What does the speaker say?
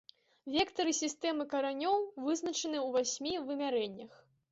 Вектары сістэмы каранёў вызначаны ў васьмі вымярэннях.